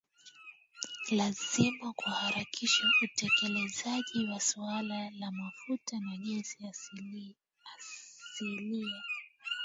Lazima kuharakishwe utekelezaji wa suala la mafuta na gesi asilia